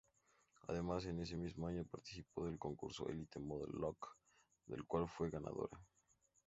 Además, ese mismo año participó del concurso Elite Model Look del cual fue ganadora.